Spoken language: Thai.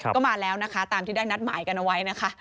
ก็มาแล้วนะคะตามที่ได้นัดหมายกันเอาไว้นะคะ